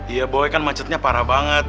iya boleh kan macetnya parah banget